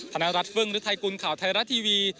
ธนรัฐฟึ่งฤทัยกุลข่าวไทยรัฐทีวี